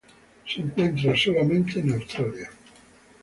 Se encuentra sólo en Australia.